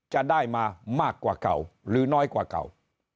จะได้มามากกว่าเก่าหรือน้อยกว่าเก่า